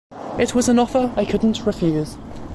It was an offer I couldn't refuse.